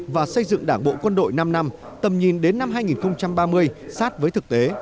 và xây dựng đảng bộ quân đội năm năm tầm nhìn đến năm hai nghìn ba mươi sát với thực tế